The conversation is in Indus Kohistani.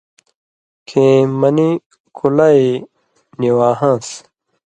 کھیں منی کُلائی نی واہان٘س۔